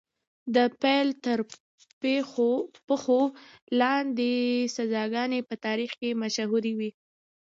د پیل تر پښو لاندې سزاګانې په تاریخ کې مشهورې دي.